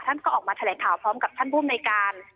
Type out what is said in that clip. ท่านก็ออกมาแถลงข่าวพร้อมกับท่านภูมิในการ